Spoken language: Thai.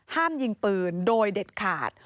ห้ามยิงปืนโดยเด็ดขาด